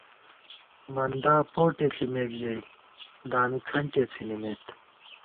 مَندا پوٹے ݪِمېک ژَئی، دامی کھنٹیہ څِھنِمېت